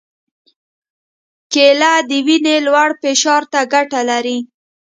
کېله د وینې لوړ فشار ته ګټه لري.